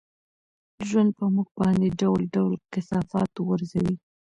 ژوند په موږ باندې ډول ډول کثافات غورځوي.